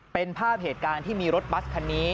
เป็นภาพเหตุการณ์ที่มีรถบัสคันนี้